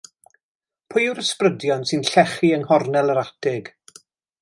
Pwy yw'r ysbrydion sy'n llechu yng nghornel yr atig?